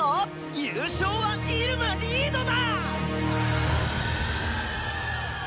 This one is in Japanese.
優勝はイルマリードだ！